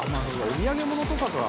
「お土産物とかか」